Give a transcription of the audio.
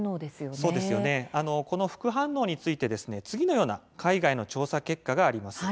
その副反応について次のような海外の調査結果があります。